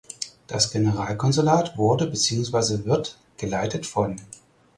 Das Generalkonsulat wurde beziehungsweise wird geleitet von